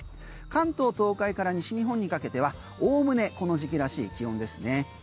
関東、東海から西日本にかけてはおおむねこの時期らしい気温ですね。